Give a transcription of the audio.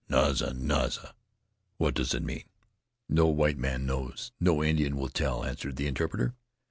Naza! Naza! What does it mean?" "No white man knows; no Indian will tell," answered the interpreter.